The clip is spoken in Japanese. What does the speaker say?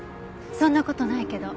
そんな事ないけど。